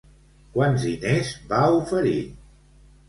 Quants diners va oferir?